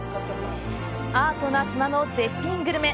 アートな島の絶品グルメ！